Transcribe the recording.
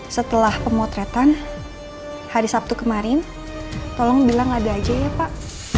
setelah pemotretan hari sabtu kemarin tolong bilang ada aja ya pak